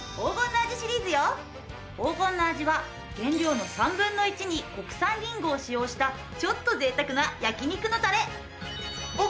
黄金の味は原料の３分の１に国産りんごを使用したちょっと贅沢な焼肉のたれ。